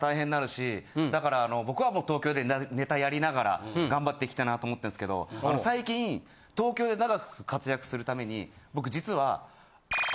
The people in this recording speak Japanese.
だから僕はもう東京でネタやりながら頑張っていきたいなと思ってんですけど最近東京で長く活躍するために僕実は。